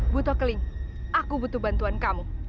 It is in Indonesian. buto keling aku butuh bantuan kamu